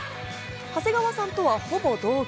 長谷川さんとはほぼ同期。